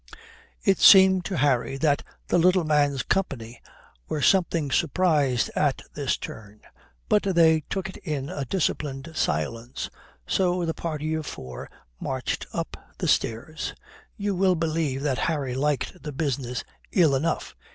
It seemed to Harry that the little man's company were something surprised at this turn, but they took it in a disciplined silence. So the party of four marched up the stairs. You will believe that Harry liked the business ill enough.